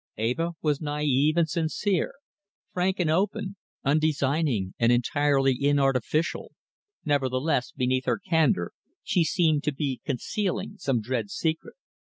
Eva was naive and sincere, frank and open, undesigning and entirely inartificial, nevertheless beneath her candour she seemed to be concealing some dread secret.